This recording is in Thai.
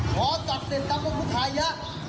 ขอจัดเต้นกับพุทธภายะ